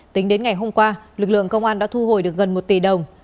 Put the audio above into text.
tính đến ngày hôm qua lực lượng công an đã thu hồi được gần một tỷ đồng